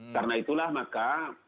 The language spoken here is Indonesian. karena itulah maka